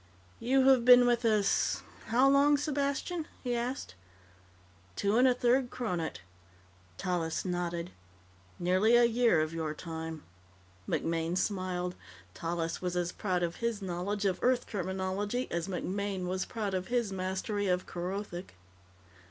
"You have been with us ... how long, Sepastian?" he asked. "Two and a third Kronet." Tallis nodded. "Nearly a year of your time." MacMaine smiled. Tallis was as proud of his knowledge of Earth terminology as MacMaine was proud of his mastery of Kerothic.